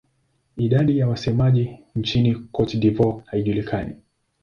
Idadi ya wasemaji nchini Cote d'Ivoire haijulikani.